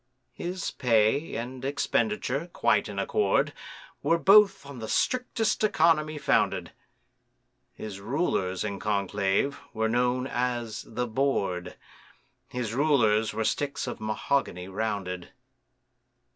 His pay and expenditure, quite in accord, Were both on the strictest economy founded; His rulers, in conclave, were known as the Board, His rulers were sticks of mahogany rounded.